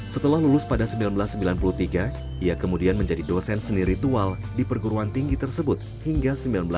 setelah lulus pada seribu sembilan ratus sembilan puluh tiga ia kemudian menjadi dosen seni ritual di perguruan tinggi tersebut hingga seribu sembilan ratus sembilan puluh